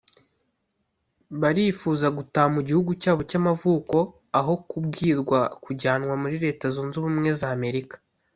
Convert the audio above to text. barifuza gutaha mu gihugu cyabo cy’amavuko aho kubwirwa kujyanwa muri Leta Zunze Ubumwe z’Amerika